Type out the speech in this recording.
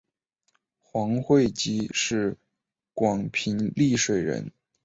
黄晦卿是广平丽水人。